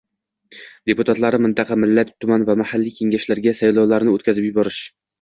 deputatlari mintaqa, millat, tuman va Mahalliy kengashlariga sajlovlarni o'tkazib yuborish